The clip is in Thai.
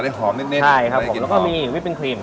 แล้วก็มีวิปเป็นครีม